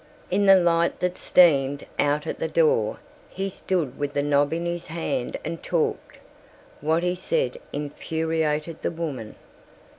In the light that steamed out at the door he stood with the knob in his hand and talked. What he said infuriated the woman.